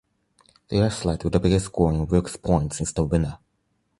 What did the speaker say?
The athlete with the biggest score in Wilks points is the winner.